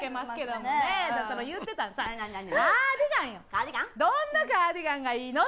「どんなカーディガンがいいの？」